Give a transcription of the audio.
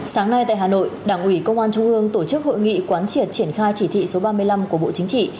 sáng nay tại hà nội đảng ủy công an trung ương tổ chức hội nghị quán triệt triển khai chỉ thị số ba mươi năm của bộ chính trị